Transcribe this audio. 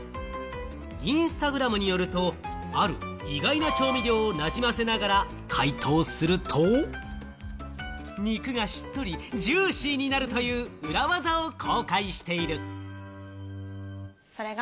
インスタグラムによると、ある意外な調味料をなじませながら解凍すると、肉がしっとりジューシーになるという裏技を公開している。